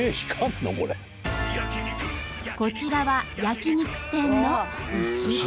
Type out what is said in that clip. こちらは焼き肉店の牛。